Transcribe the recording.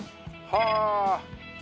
はあ！